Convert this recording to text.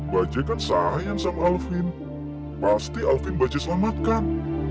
bajaj kan sayang sama alvin pasti alvin bajaj selamatkan